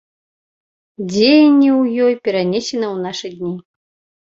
Дзеянне ў ёй перанесена ў нашы дні.